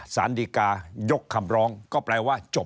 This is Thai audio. สารดีกายกคำร้องก็แปลว่าจบ